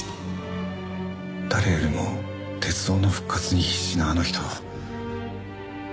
誰よりも鉄道の復活に必死なあの人を。